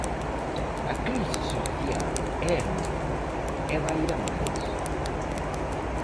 A crise social é enorme e vai ir a máis.